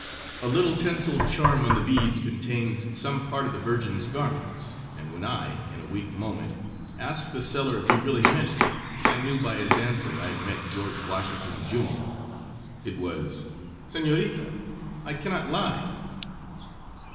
A little tinseled charm on the beads contains some part of the Virgin's garments, and when I, in a weak moment, asked the seller if he really meant it, I knew by his answer I had met George Washington, Jr. It was, "Senorita, I cannot lie."